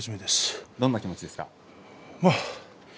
どんな気持ちですか。